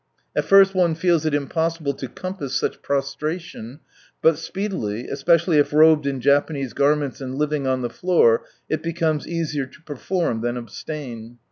At first one feels it impossible to compass such prostration, but speedily, especially if robed in Japanese garments, and living on the floor, it becomes easier to perform than abstain.